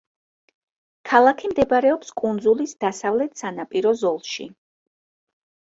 ქალაქი მდებარეობს კუნძულის დასავლეთ სანაპირო ზოლში.